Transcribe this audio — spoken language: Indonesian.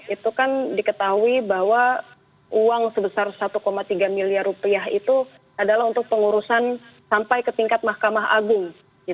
itu kan diketahui bahwa uang sebesar satu tiga miliar rupiah itu adalah untuk pengurusan sampai ke tingkat mahkamah agung